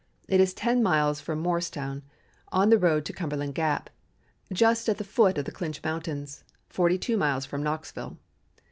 It is ten miles from Morristown on the road to Cumberland Gap, just at the foot of the Clinch mountains, forty two miles from Knoxville.